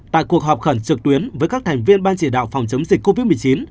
tại cuộc họp khẩn trực tuyến với các thành viên ban chỉ đạo phòng chống dịch covid một mươi chín